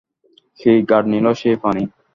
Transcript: কী গাঢ় নীল সেই পানি।